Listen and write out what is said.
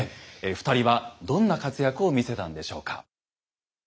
２人はどんな活躍を見せたんでしょうか。